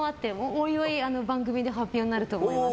おいおい番組で発表になると思います。